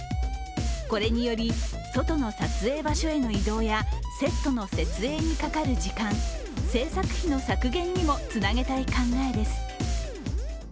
これにより外の撮影場所への移動やセットの設営にかかる時間、制作費の削減にもつなげたい考えです。